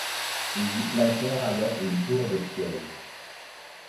Ils y placèrent alors une tour de siège.